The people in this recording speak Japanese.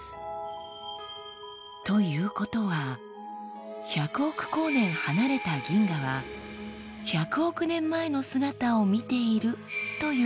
ということは１００億光年離れた銀河は１００億年前の姿を見ているということ。